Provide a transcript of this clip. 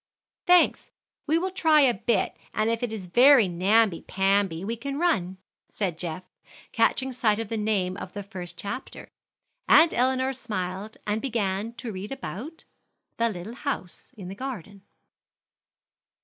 "Thanks, we will try a bit, and if it is very namby pamby we can run," said Geoff, catching sight of the name of the first chapter. Aunt Elinor smiled and began to read about THE LITTLE HOUSE IN THE GARDEN.